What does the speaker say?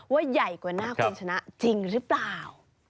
ใหญ่กว่าหน้าคุณชนะจริงหรือเปล่า